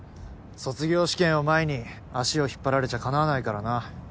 卒業試験を前に足を引っ張られちゃかなわないからな。